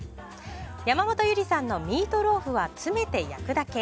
山本ゆりさんのミートローフは詰めて焼くだけ。